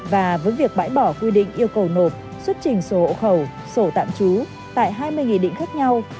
và với việc bãi bỏ quy định yêu cầu nộp xuất trình sổ hộ khẩu sổ tạm trú tại hai mươi nghị định khác nhau